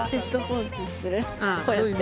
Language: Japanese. こうやって。